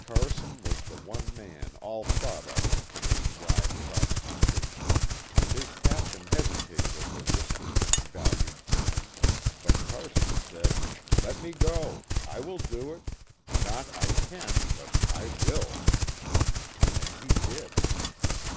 Carson was the one man all thought of for this ride "cross country." His captain hesi tated over risking this valued friend, but Carson said "Let me go. I will do it not I can, but I will." And he did.